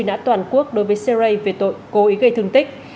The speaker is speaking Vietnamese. đã toàn quốc đối với sê rê về tội cố ý gây thương tích